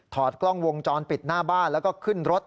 กล้องวงจรปิดหน้าบ้านแล้วก็ขึ้นรถ